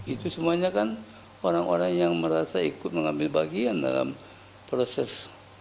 itu semuanya kan orang orang yang merasa ikut mengambil bagian dalam proses